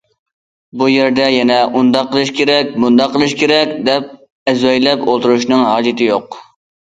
بۇ يەردە يەنە ئۇنداق قىلىش كېرەك، بۇنداق قىلىش كېرەك دەپ ئەزۋەيلەپ ئولتۇرۇشنىڭ ھاجىتى يوق.